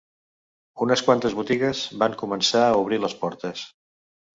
Unes quantes botigues van començar a obrir les portes